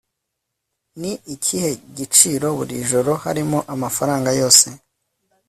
ni ikihe giciro buri joro harimo amafaranga yose